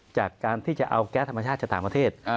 จากการที่จะเอาแก๊สธรรมชาติจากต่างประเทศ